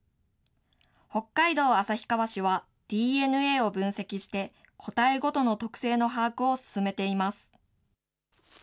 北海道旭川市は、ＤＮＡを分析して個体ごとの特性の把握を進めています。